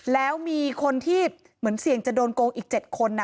แล้วมีคนที่เหมือนเสี่ยงจะโดนโกงอีก๗คน